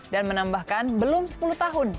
dan menambahkan belum sepuluh tahun